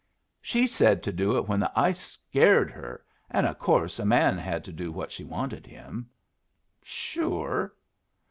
"She said to do it when the ice scared her, an' of course a man had to do what she wanted him." "Sure."